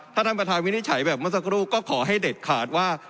ถ้าท่านประธานวินิจฉัยแบบเมื่อสักครู่ก็ขอให้เด็ดขาดว่า